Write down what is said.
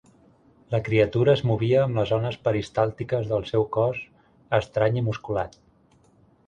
La criatura es movia amb les ones peristàltiques del seu cos estrany i musculat.